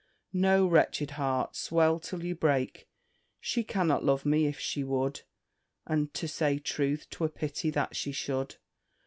No, wretched heart, swell till you break. She cannot love me, if she would, And, to say truth, 'twere pity that she should.